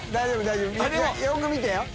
よく見てよ。